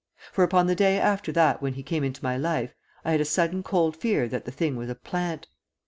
For, upon the day after that when he came into my life, I had a sudden cold fear that the thing was a plant.